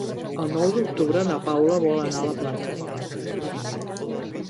El nou d'octubre na Paula vol anar a la platja.